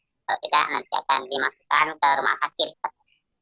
kalau tidak nanti akan dimasukkan ke rumah sakit